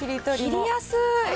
切りやすい。